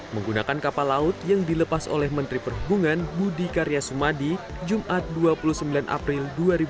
menggunakan kapal laut yang dilepas oleh menteri perhubungan budi karya sumadi jumat dua puluh sembilan april dua ribu dua puluh